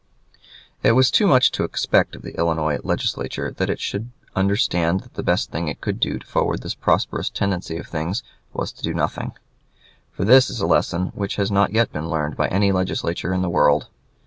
It was too much to expect of the Illinois Legislature that it should understand that the best thing it could do to forward this prosperous tendency of things was to do nothing; for this is a lesson which has not yet been learned by any legislature in the world.